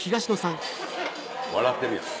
笑ってるやん。